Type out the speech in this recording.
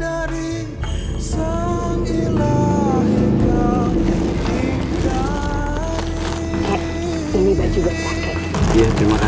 dan ini uang buat kakek